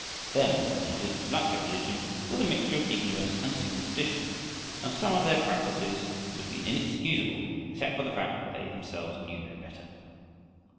Their medical knowledge, like their religion, was a mixture of ignorance and superstition, and some of their practises would have been inexcusable except for the fact that they themselves knew no better.